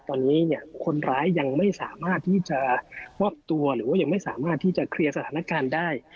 ตอนนี้เนี่ยคนร้ายยังไม่สามารถที่จะมอบตัวหรือว่ายังไม่สามารถที่จะเคลียร์สถานการณ์ได้